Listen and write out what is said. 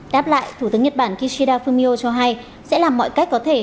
đáp lại thủ tướng nhật bản kishida fumio cho hay sẽ làm mọi cách có thể